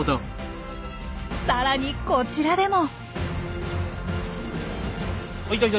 さらにこちらでも。